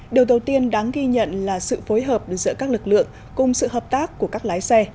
điều đầu tiên đáng ghi nhận là sự phối hợp giữa các lực lượng cùng sự hợp tác của các lái xe